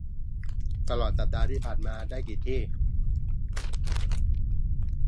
ตลอดสัปดาห์ที่ผ่านมาได้ที่